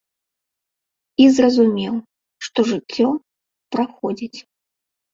І зразумеў, што жыццё праходзіць.